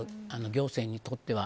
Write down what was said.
行政にとっては。